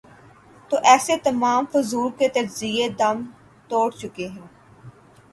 تو ایسے تمام فضول کے تجزیے دم توڑ چکے ہیں۔